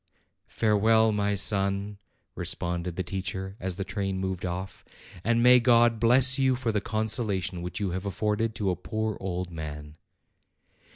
"Farewell, my son!" responded the teacher as the train moved off; "and may God bless you for the consolation which you have afforded to a poor old man!"